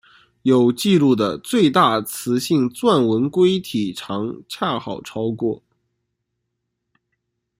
有纪录的最大雌性钻纹龟体长恰好超过。